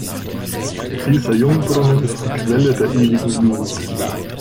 Dieser Jungbrunnen ist die Quelle der ewigen Jugend.